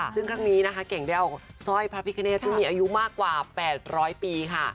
ซึ่งครั้งนี้นะคะเก่งได้เอาสร้อยพระพิคเนตซึ่งมีอายุมากกว่า๘๐๐ปีค่ะ